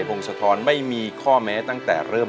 ยังไม่มีให้รักยังไม่มี